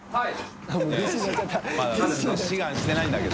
はい。